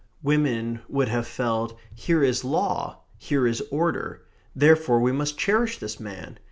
Women would have felt, "Here is law. Here is order. Therefore we must cherish this man.